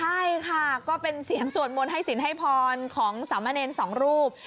ใช่ค่ะก็เป็นเสียงสวดมนต์ให้สินให้พรของสามเณรสองรูป